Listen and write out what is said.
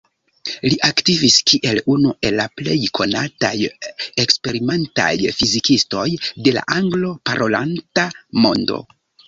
Li aktivis kiel unu el la plej konataj eksperimentaj fizikistoj de la anglo-parolanta mondo.